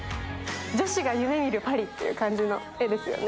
女子が夢見るパリっていう感じの絵ですよね。